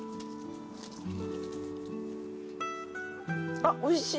あっおいしい。